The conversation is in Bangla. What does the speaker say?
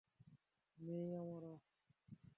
মেই, আমরা।